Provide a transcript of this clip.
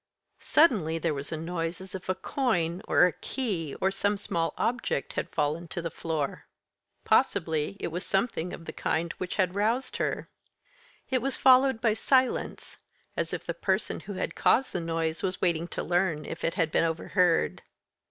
Suddenly there was a noise as if a coin, or a key, or some small object, had fallen to the floor. Possibly it was something of the kind which had roused her. It was followed by silence as if the person who had caused the noise was waiting to learn if it had been overheard.